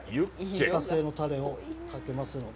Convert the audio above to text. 自家製のタレをかけますので。